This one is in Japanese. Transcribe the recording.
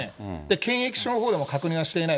検疫所のほうでも確認はしていない。